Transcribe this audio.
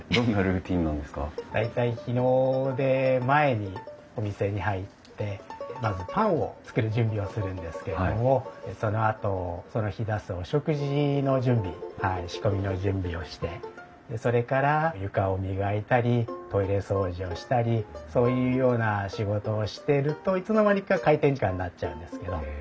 大体日の出前にお店に入ってまずパンを作る準備をするんですけれどもそのあとその日出すお食事の準備仕込みの準備をしてそれから床を磨いたりトイレ掃除をしたりそういうような仕事をしているといつの間にか開店時間になっちゃうんですけど。